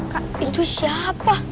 kak itu siapa